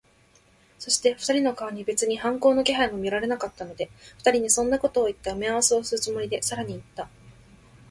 そして、二人の顔に別に反抗の気配も見られなかったので、二人にそんなことをいった埋合せをするつもりで、さらにいった。